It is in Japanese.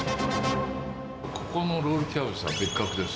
ここのロールキャベツは別格です。